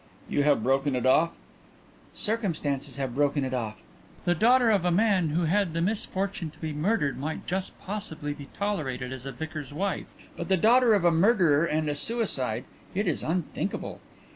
"You have broken it off?" "Circumstances have broken it off. The daughter of a man who had the misfortune to be murdered might just possibly be tolerated as a vicar's wife, but the daughter of a murderer and suicide it is unthinkable!